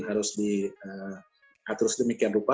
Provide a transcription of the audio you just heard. harus diatur sedemikian rupa